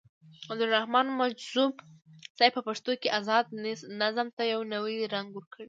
عبدالرحيم مجذوب صيب په پښتو کې ازاد نظم ته يو نوې رنګ راوړو.